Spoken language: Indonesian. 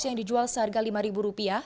yang dijual seharga lima ribu rupiah